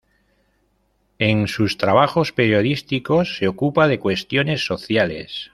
En sus trabajos periodísticos se ocupa de cuestiones sociales.